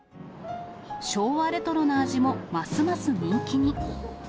昭和レトロな味も、ますます人気に。